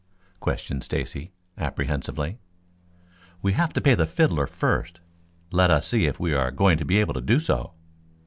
questioned Stacy apprehensively. "We have to pay the fiddler first. Let us see if we are going to be able to do so."